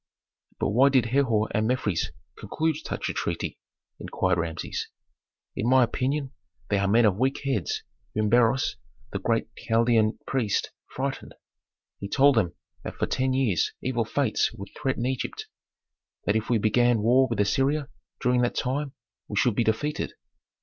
"But why did Herhor and Mefres conclude such a treaty?" inquired Rameses. "In my opinion, they are men of weak heads whom Beroes, the great Chaldean priest, frightened. He told them that for ten years evil fates would threaten Egypt; that if we began war with Assyria during that time we should be defeated."